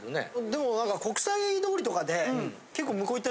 でも国際通りとかで。